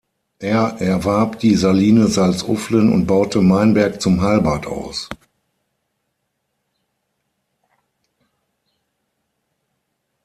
Er erwarb die Saline Salzuflen und baute Meinberg zum Heilbad aus.